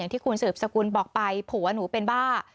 ที่คุณสืบสกุลบอกไปผัวหนูเป็นบ้า